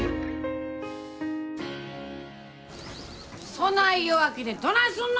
・そない弱気でどないすんの！